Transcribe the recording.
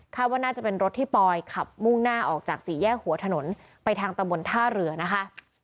ว่าน่าจะเป็นรถที่ปอยขับมุ่งหน้าออกจากสี่แยกหัวถนนไปทางตำบลท่าเรือนะคะ